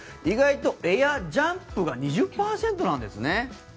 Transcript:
意外とエア、ジャンプが２０％なんですね。